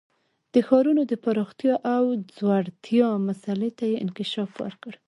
د ښارونو د پراختیا او ځوړتیا مسئلې ته یې انکشاف ورکړ